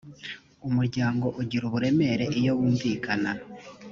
umuryango ugira uburemere iyo wumvikana